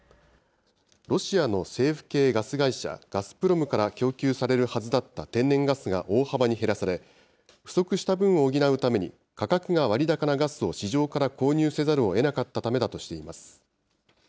ロシアの政府系ガス会社、ガスプロムから供給されるはずだった天然ガスが大幅に減らされ、不足した分を補うために、価格が割高なガスを市場から購入せざるをえなかったためだとしています。